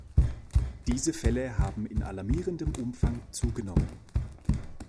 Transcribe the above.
Diese Fälle haben in alarmierendem Umfang zugenommen.